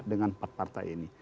dengan empat partai ini